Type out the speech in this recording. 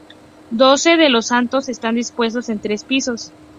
Doce de los santos están dispuestos en tres pisos.